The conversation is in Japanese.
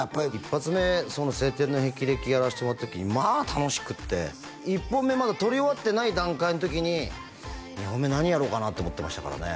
１発目「青天の霹靂」やらせてもらった時にまあ楽しくて１本目まだ撮り終わってない段階の時に２本目何やろうかなって思ってましたからね